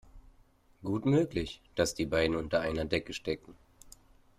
Gut möglich, dass die beiden unter einer Decke stecken.